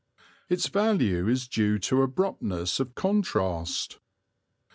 Its value is due to abruptness of contrast.